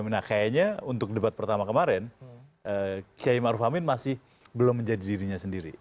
nah kayaknya untuk debat pertama kemarin kiai ⁇ maruf ⁇ amin masih belum menjadi dirinya sendiri